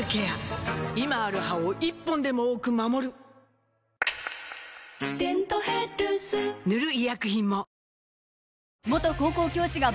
今ある歯を１本でも多く守る「デントヘルス」塗る医薬品も